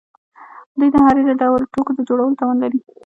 دوی د هر ډول توکو د جوړولو توان لري.